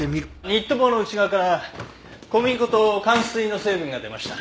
ニット帽の内側から小麦粉とかん水の成分が出ました。